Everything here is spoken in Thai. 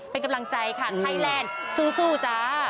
เป็นกำลังใจค่ะไทยแลนด์สู้จ้า